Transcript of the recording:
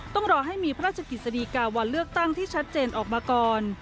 ต้องรอให้มีพระราชกิจสดีกาวันเลือกตั้งที่ชัดเจนออกมาก่อน